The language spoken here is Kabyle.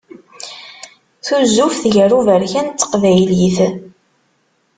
Tuzzuft gar uberkan d teqbaylit.